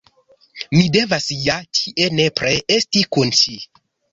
Mi devas ja tie nepre esti kun ŝi.